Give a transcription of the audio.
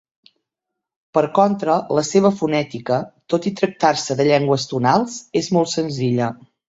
Per contra, la seva fonètica, tot i tractar-se de llengües tonals, és molt senzilla.